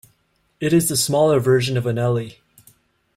It is the smaller version of Anelli.